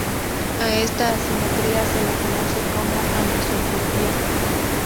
A esta asimetría se la conoce como anisotropía.